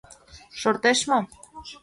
Шортеш мо?